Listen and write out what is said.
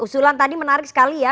usulan tadi menarik sekali ya